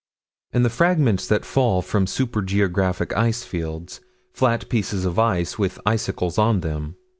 And the fragments that fall from super geographic ice fields: flat pieces of ice with icicles on them.